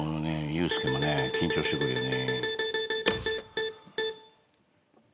ユースケもね緊張してくるよね。